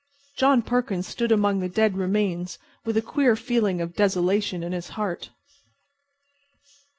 John Perkins stood among the dead remains with a queer feeling of desolation in his heart.